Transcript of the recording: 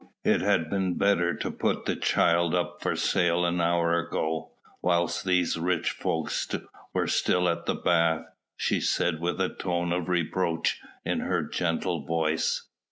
"It had been better to put the child up for sale an hour ago, whilst these rich folk were still at the bath," she said with a tone of reproach in her gentle voice.